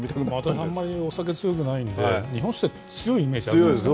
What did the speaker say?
私、あんまりお酒強くないんで、日本酒って強いイメージありますよね。